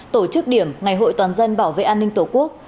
tổ chức điểm ngày hội toàn dân bảo vệ an ninh tổ quốc